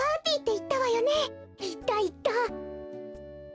いったいった！